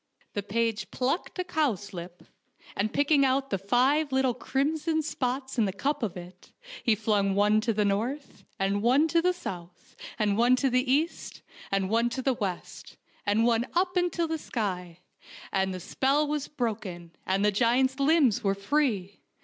The page plucked a cowslip, and picking out the five little crimson spots in the cup of it, he flung one to the north, and one to the south, and one to the east, and one to the west, and one up into the sky, and the spell was broken, and the giant's limbs were free.